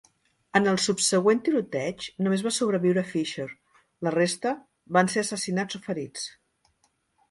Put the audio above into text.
En el subsegüent tiroteig, només va sobreviure Fisher; la resta van ser assassinats o ferits.